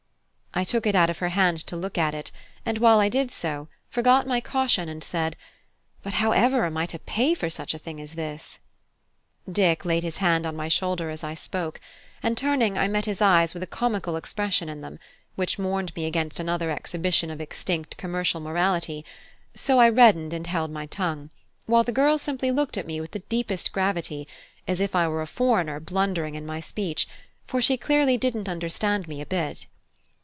I took it out of her hand to look at it, and while I did so, forgot my caution, and said, "But however am I to pay for such a thing as this?" Dick laid his hand on my shoulder as I spoke, and turning I met his eyes with a comical expression in them, which warned me against another exhibition of extinct commercial morality; so I reddened and held my tongue, while the girl simply looked at me with the deepest gravity, as if I were a foreigner blundering in my speech, for she clearly didn't understand me a bit.